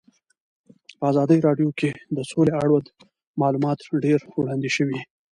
په ازادي راډیو کې د سوله اړوند معلومات ډېر وړاندې شوي.